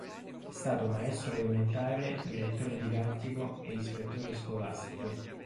È stato maestro elementare, direttore didattico e ispettore scolastico.